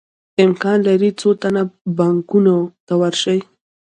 امکان لري څو تنه بانکونو ته ورشي